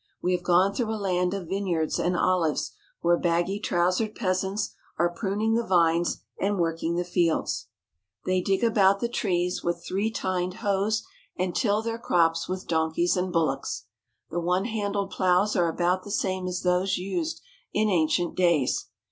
We have gone through a land of vineyards and olives where baggy trousered peasants are pruning the vines and working the fields. They dig about the 263 THE HOLY LAND AND SYRIA trees with three tined hoes and till their crops with donkeys and bullocks. The one handled ploughs are about the same as those used in ancient days.